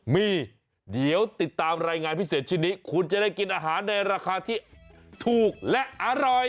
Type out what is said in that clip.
มีเดี๋ยวติดตามรายงานพิเศษชิ้นนี้คุณจะได้กินอาหารในราคาที่ถูกและอร่อย